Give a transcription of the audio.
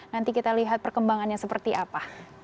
nanti kita lihat perkembangannya seperti apa